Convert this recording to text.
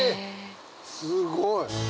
すごい！